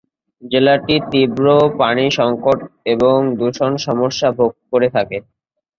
জেলাটি তীব্র পানি সংকট এবং দূষণ সমস্যা ভোগ করে থাকে।